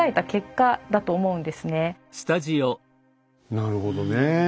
なるほどね。